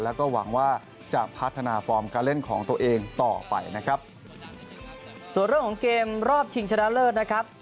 แล้วก็หวังว่าจะพัฒนาฟอร์มการเล่นของตัวเองต่อไปนะครับส่วนเรื่องของเกมรอบชิงชนะเลิศนะครับ